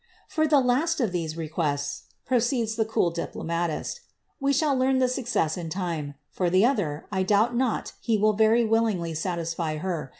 '''^ For the last of these requests," proceeds the cool diplomatist, ^^ we shall learn the success in time ; for the oilier, I doubt not he will very willingly satisfy her.